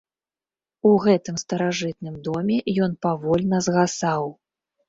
У гэтым старажытным доме ён павольна згасаў.